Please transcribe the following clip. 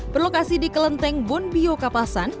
berlokasi di kelenteng bonbio kapasan